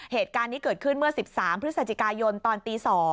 เหตุการณ์นี้เกิดขึ้นเมื่อ๑๓พฤศจิกายนตอนตี๒